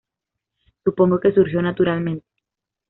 Supongo que surgió naturalmente".